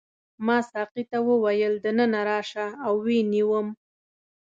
ما ساقي ته وویل دننه راشه او ویې نیوم.